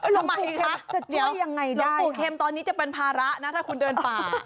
ทำไมคะหลวงปู่เข็มตอนนี้จะเป็นภาระนะถ้าคุณเดินป่า